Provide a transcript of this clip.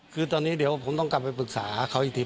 คือตอนนี้เดี๋ยวผมต้องกลับไปปรึกษาเขาอีกที